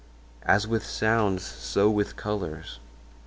"As with sounds, so with colors.